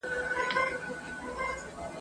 ورته جوړ د هر پمن د خنجر وار وي ..